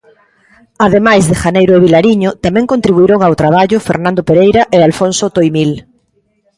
Ademais de Janeiro e Vilariño, tamén contribuíron ao traballo Fernando Pereira e Alfonso Toimil.